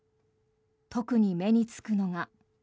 特に目につくのが。